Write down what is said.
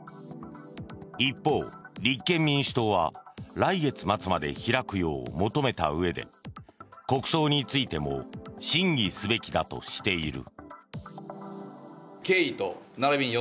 一方、立憲民主党は来月末まで開くよう求めたうえで国葬についても審議すべきだとしている。